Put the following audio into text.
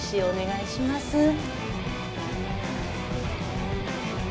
お願いします。